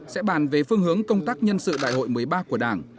sẽ bàn về phương hướng công tác nhân sự đại hội một mươi ba của đảng